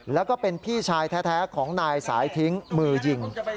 แล้วก็เป็นพี่ชายแท้ของนายสายทิ้งมือยิง